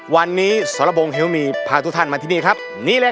วันนี้สรพงศ์ฮิวมีพาทุกท่านมาที่นี่ครับนี่เลย